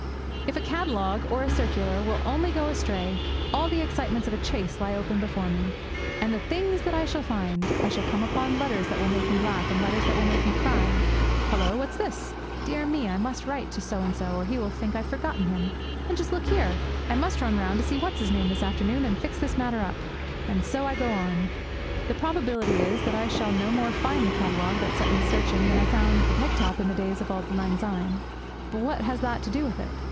If a catalogue or a circular will only go astray, all the excitements of a chase lie open before me. And the things that I shall find! I shall come on letters that will make me laugh and letters that will make me cry. Hullo, what's this? Dear me, I must write to so and so, or he will think I have forgotten him! And just look here! I must run round and see what's his name this afternoon, and fix this matter up. And so I go on. The probability is that I shall no more find the catalogue that set me searching than I found the peg top in the days of auld lang syne; but what has that to do with it?